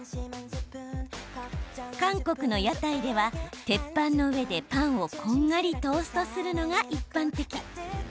韓国の屋台では鉄板の上でパンをこんがりトーストするのが一般的。